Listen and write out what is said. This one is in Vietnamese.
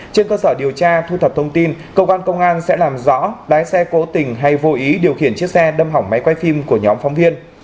trên cơ sở điều tra thu thập thông tin cơ quan công an sẽ làm rõ lái xe cố tình hay vô ý điều khiển chiếc xe đâm hỏng máy quay phim của nhóm phóng viên